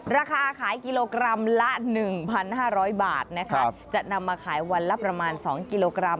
ราคาขายกิโลกรัมละ๑๕๐๐บาทนะคะจะนำมาขายวันละประมาณ๒กิโลกรัม